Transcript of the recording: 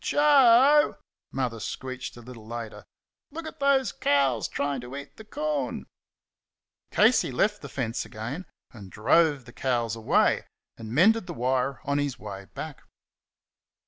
"J OE," Mother screeched a little later, "look at those cows tryin' to eat the corn." Casey left the fence again and drove the cows away, and mended the wire on his way back.